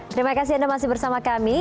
terima kasih anda masih bersama kami